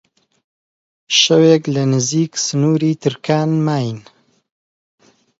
شەوێک لە نزیک سنووری ترکان ماین